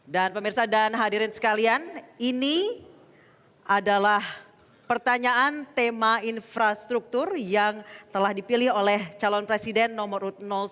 dan pemirsa dan hadirin sekalian ini adalah pertanyaan tema infrastruktur yang telah dipilih oleh calon presiden nomor satu